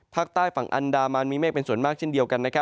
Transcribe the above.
ภาคใต้ฝั่งอันดามันมีเมฆเป็นส่วนมากเช่นเดียวกัน